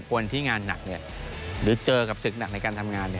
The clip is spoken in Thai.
คนที่งานหนักหรือเจอกับศึกหนักในการทำงาน